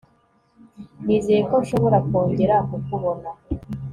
Nizeye ko nshobora kongera kukubona